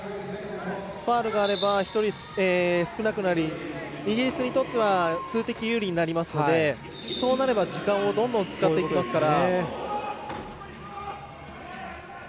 ファウルがあれば１人少なくなりイギリスにとっては数的有利になりますのでそうなれば時間をどんどん使っていきますから。